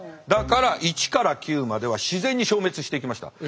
だから１から９までは自然に消滅していきました。